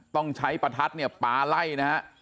ต้องใช้ประทัดปลาไล่นะฮะ